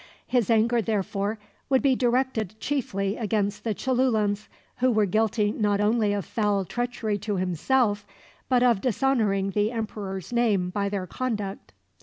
His anger therefore would be directed chiefly against the Cholulans, who were guilty not only of foul treachery to himself, but of dishonoring the emperor's name by their conduct.